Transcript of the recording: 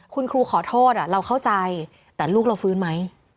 คุณครูขอโทษเราเข้าใจแต่ลูกเราฟื้นไหม